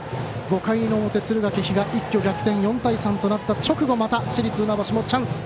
５回の表、敦賀気比が一挙逆転４対３となったあと直後、また市立船橋もチャンス。